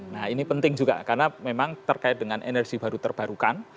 nah ini penting juga karena memang terkait dengan energi baru terbarukan